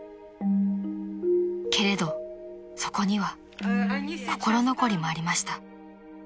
［けれどそこには心残りもありました］